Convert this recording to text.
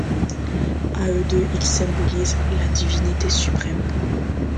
À eux deux, ils symbolisent la divinité suprême.